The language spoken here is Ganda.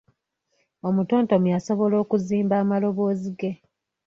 Omutontomi asobola okuzimba amaloboozi ge,